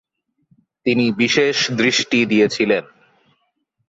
তিনি বিশেষ দৃষ্টি দিয়েছিলেন।